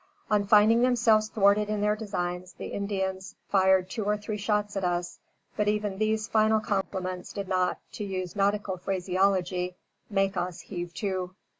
On finding themselves thwarted in their designs, the Indians fired two or three shots at us, but even these final compliments did not, to use nautical phraseology, make us "heave to."